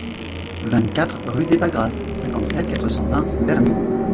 vingt-quatre rue des Bagrasses, cinquante-sept, quatre cent vingt, Verny